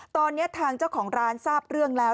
ตอนนี้ทางเจ้าของร้านทราบเรื่องแล้ว